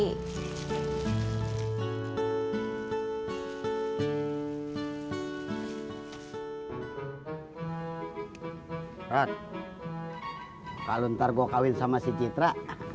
kak kalau ntar gua kawin sama si citra